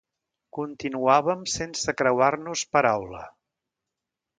Continuàvem sense creuar-nos paraula.